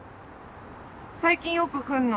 最近よく来んの。